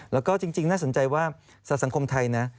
แล้วก็จริงน่าสนใจว่าสังคมไทยนะ